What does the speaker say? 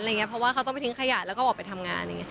เพราะว่าเขาต้องไปทิ้งขยะแล้วก็ออกไปทำงาน